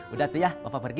udah tuh ya bapak pergi